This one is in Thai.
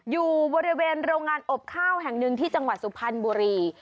อยู่บริเวณโรงงานอบข้าวแห่งหนึ่งที่จังหวัดสุพรรณบุรี